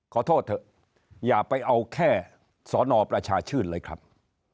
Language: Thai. ขอโทษเถอะอย่าไปเอาแค่สอนอประชาชื่นเลยครับ